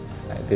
kayak gitu ya